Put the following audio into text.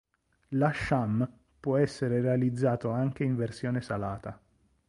L'asham può essere realizzato anche in versione salata.